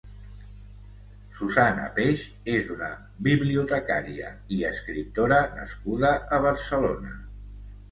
Susanna Peix és una bibliotecària i escriptora nascuda a Barcelona.